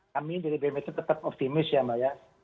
kami dari bmk tetap optimis ya mbak ya